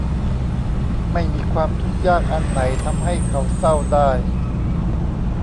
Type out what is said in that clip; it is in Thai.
ไม่มีความทุกข์ยากอันไหนทำให้เขาเศร้าได้